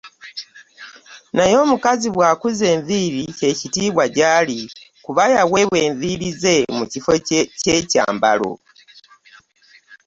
Naye omukazi bw'akuza enviiri; kye kitiibwa gy'ali: kubanga yaweebwa enviiri ze mu kifo ky'ekyambalo.